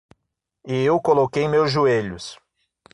E eu coloquei meus joelhos.